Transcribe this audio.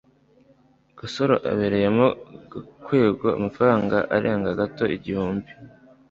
gasore abereyemo gakwego amafaranga arenga gato igihumbi